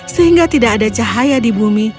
sehingga tidak ada cahaya di bumi